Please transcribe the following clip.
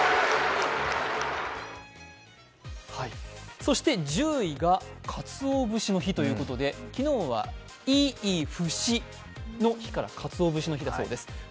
そして１０位が鰹節の日ということで昨日は、いいふしの日から鰹節の日だそうです。